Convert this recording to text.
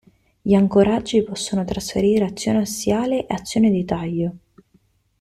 Gli ancoraggi possono trasferire azione assiale e azione di taglio.